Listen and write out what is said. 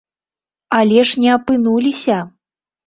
Але ж не апынуліся!